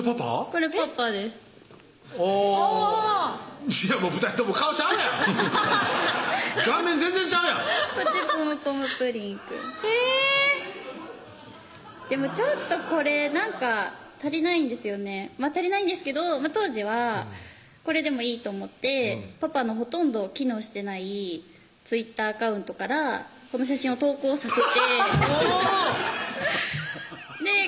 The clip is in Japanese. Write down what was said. こっちポムポムプリンくんえぇでもちょっとこれ何か足りないんですよね足りないんですけど当時はこれでもいいと思ってパパのほとんど機能してないＴｗｉｔｔｅｒアカウントからこの写真を投稿させてアハハッ！